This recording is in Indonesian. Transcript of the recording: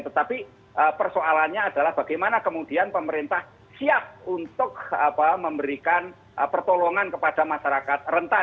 tetapi persoalannya adalah bagaimana kemudian pemerintah siap untuk memberikan pertolongan kepada masyarakat rentan